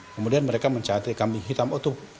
kemudian mereka mencari kami hitam otob